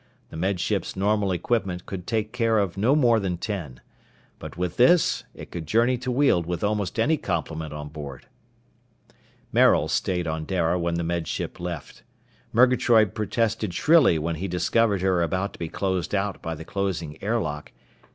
The Med Ship's normal equipment could take care of no more than ten. But with this it could journey to Weald with almost any complement on board. Maril stayed on Dara when the Med Ship left. Murgatroyd protested shrilly when he discovered her about to be closed out by the closing airlock.